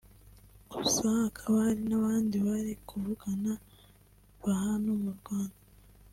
gusa hakaba hari n'abandi bari kuvugana ba hano mu Rwanda